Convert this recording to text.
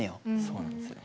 そうなんですよ。